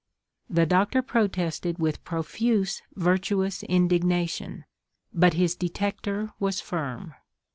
The Doctor protested with profuse virtuous indignation, but his detecter was firm.